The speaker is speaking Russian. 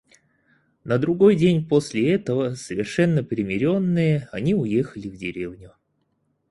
На другой день после этого, совершенно примиренные, они уехали в деревню.